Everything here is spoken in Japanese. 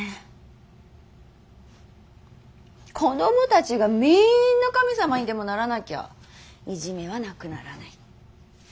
子供たちがみんな神様にでもならなきゃいじめはなくならない。